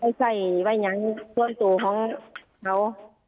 ให้ใส่ไว้ที่ส่วนสู่ของเขา